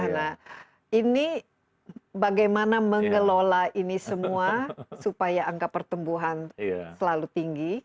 nah ini bagaimana mengelola ini semua supaya angka pertumbuhan selalu tinggi